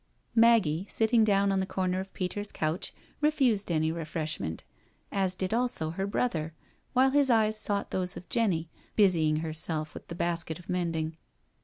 Maggie, sitting down on the corner of Peter*s couch, refused any refreshment, as did also her brother, while his eyes sought those of Jenny, busying herself with the basket of mending.